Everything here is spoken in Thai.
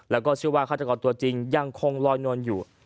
แล้วก็เชื่อว่าฆาตกรตัวจริงยังคงลอยนวลอยู่